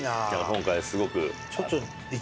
今回すごく。